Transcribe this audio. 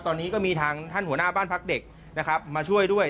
ตอนนี้ก็มีทางท่านหัวหน้าบ้านพักเด็กนะครับมาช่วยด้วย